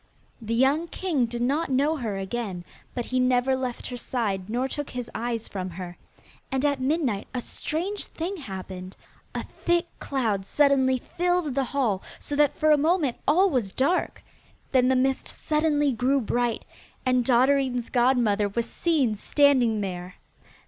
The young king did not know her again, but he never left her side nor took his eyes from her. And at midnight a strange thing happened. A thick cloud suddenly filled the hall, so that for a moment all was dark. Then the mist suddenly grew bright, and Dotterine's godmother was seen standing there.